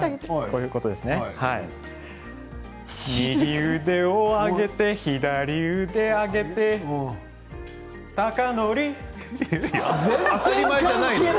右腕を上げて左手を上げて貴教。